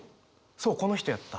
そうこの人やった。